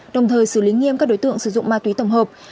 đồng thời xử lý nghiêm các đối tượng sử dụng ma túy tổng hợp